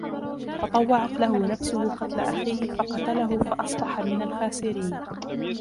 فطوعت له نفسه قتل أخيه فقتله فأصبح من الخاسرين